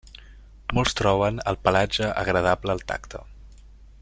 Molts troben el pelatge agradable al tacte.